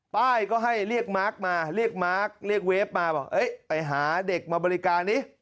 ป้ายก็ให้เรียกมาร์คมาเรียกมาร์คเรียกเวฟมาบอกไปหาเด็กมาบริการนี้